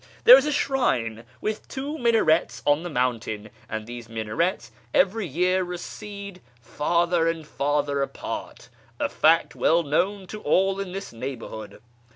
There is a shrine with two minarets on the mountain, and these minarets every year recede farther and farther apart, a fact well known to all in this neighbourhood.